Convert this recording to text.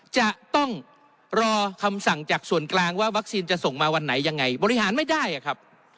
จะต้องรอคำสั่งจากส่วนกลางว่าวัคซีนจะส่งมาวันไหนยังไงบริหารไม่ได้อะครับ